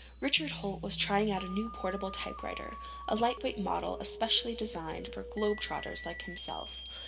Richard Holt was trying out a new portable typewriter, a lightweight model especially designed for globe trotters like himself.